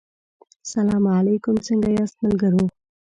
سلا علیکم څنګه یاست ملګرو